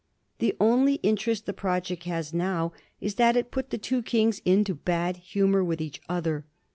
The only interest the project has now is that it put the two kings into bad humor with each other.